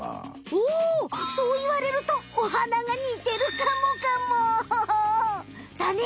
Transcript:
おおそういわれるとおはながにてるかもかもだね！